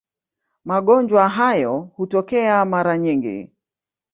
Magonjwa hayo hutokea mara nyingi.